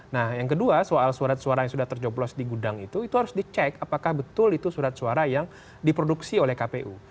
nah yang kedua soal surat suara yang sudah tercoblos di gudang itu itu harus dicek apakah betul itu surat suara yang diproduksi oleh kpu